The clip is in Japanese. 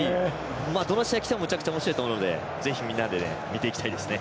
どの試合きてもめちゃくちゃおもしろいと思うので、ぜひみんなで見ていきたいですね。